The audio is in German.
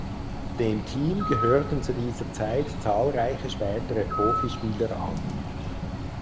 Dem Team gehörten zu dieser Zeit zahlreiche spätere Profispieler an.